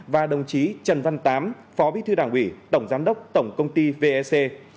và đồng chí trần văn tám phó bí thư đảng ủy tổng giám đốc tổng công ty vec